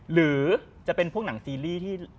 หรือจะเป็นพวกหนังซีรีส์ที่